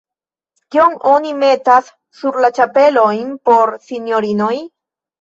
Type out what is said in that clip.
Kion oni metas sur la ĉapelojn por sinjorinoj?